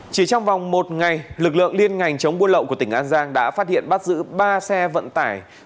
chỉ trong vòng một ngày lực lượng liên ngành chống buôn lậu của tỉnh an giang đã phát hiện bắt giữ ba xe vận tải